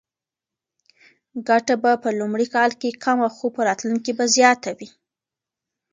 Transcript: ګټه به په لومړي کال کې کمه خو په راتلونکي کې به زیاته وي.